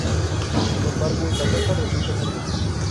Sin embargo, la caja resulta estar vacía.